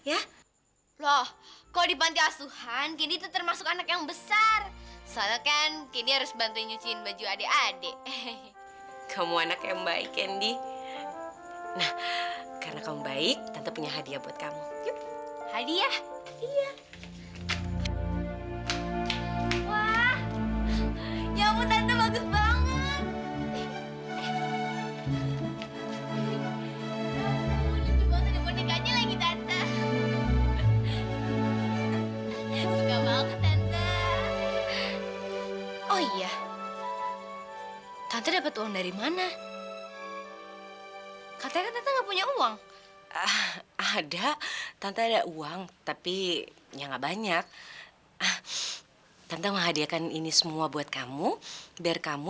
aku harus menghiasnya besok supaya lebih indah dan candy bisa lebih betah